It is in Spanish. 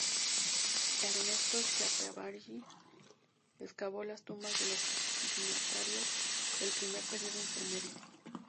Ernesto Schiaparelli excavó las tumbas de los dignatarios del primer periodo intermedio.